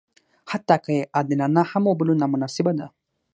حتی که یې عادلانه هم وبولو نامناسبه ده.